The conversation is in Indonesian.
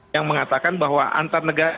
yang mengatakan bahwa antar negara